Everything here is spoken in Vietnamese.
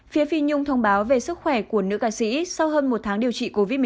phía phi nhung thông báo về sức khỏe của nữ ca sĩ sau hơn một tháng điều trị covid một mươi chín